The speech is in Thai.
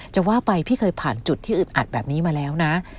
จะว่าไปพี่เคยผ่านจุดที่อึดอัดแบบนี้มาแล้วนะ